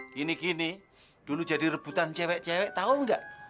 gini gini dulu jadi rebutan cewek cewek tahu nggak